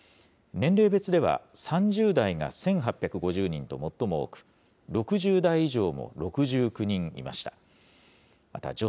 年齢別では、３０代が１８５０人と最も多く、６０代以上も６９人いました。